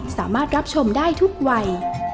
สามารถรับชมได้ทุกวัย